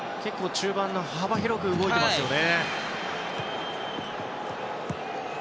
中盤幅広く動いていますね。